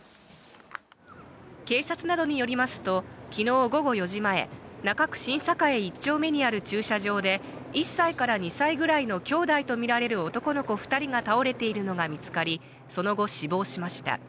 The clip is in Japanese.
警察などによりますと昨日午後４時前、中区新栄１丁目にある駐車場で１歳から２歳ぐらいの兄弟とみられる男の子２人が倒れているのが見つかり、その後死亡しました。